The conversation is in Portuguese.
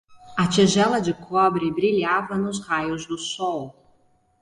A tigela de cobre brilhava nos raios do sol.